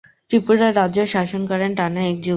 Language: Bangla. ত্রিপুরা রাজ্য শাসন করেন টানা এক যুগ।